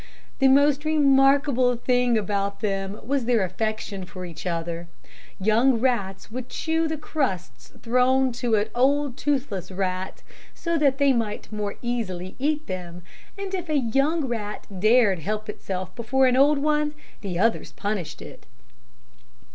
The most remarkable thing about them was their affection for each other. Young rats would chew the crusts thrown to old toothless rats, so that they might more easily eat them, and if a young rat dared help itself before an old one, the others punished it."